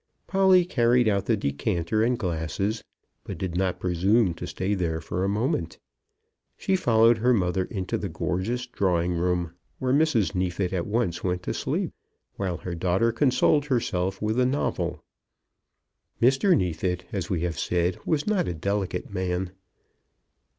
Polly carried out the decanter and glasses, but did not presume to stay there for a moment. She followed her mother into the gorgeous drawing room, where Mrs. Neefit at once went to sleep, while her daughter consoled herself with a novel. Mr. Neefit, as we have said, was not a delicate man.